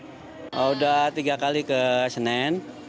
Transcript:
sudah tiga kali ke senen